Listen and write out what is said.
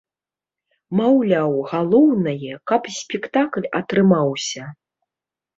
Маўляў, галоўнае, каб спектакль атрымаўся.